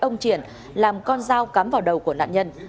ông triển làm con dao cắm vào đầu của nạn nhân